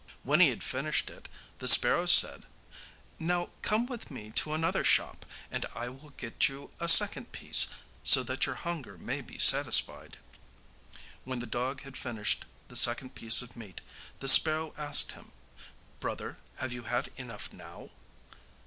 When he had finished it, the sparrow said: 'Now come with me to another shop, and I will get you a second piece, so that your hunger may be satisfied.' When the dog had finished the second piece of meat, the sparrow asked him: 'Brother, have you had enough now?